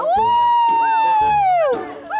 วู้